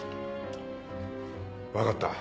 わかった。